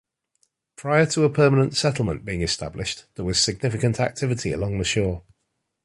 Prior to a permanent settlement being established, there was significant activity along the shore.